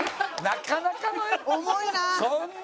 なかなかのそんな。